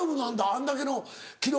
あんだけの記録